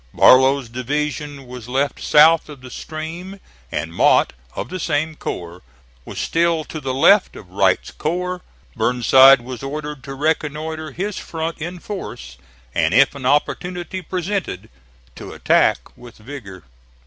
Barlow's division was left south of the stream, and Mott of the same corps was still to the left of Wright's corps. Burnside was ordered to reconnoitre his front in force, and, if an opportunity presented, to attack with vigor.